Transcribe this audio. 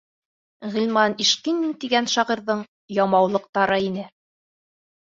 Ғилман Ишкинин тигән шағирҙың «Ямаулыҡ»тары ине.